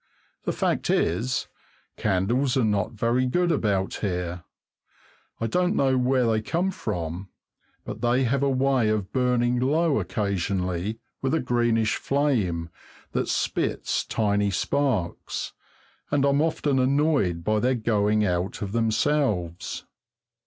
The fact is, candles are not very good about here. I don't know where they come from, but they have a way of burning low occasionally, with a greenish flame that spits tiny sparks, and I'm often annoyed by their going out of themselves.